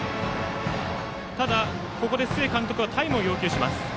ただ、ここで須江監督はタイムを要求します。